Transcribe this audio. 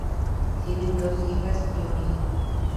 Tienen dos hijas y un hijo.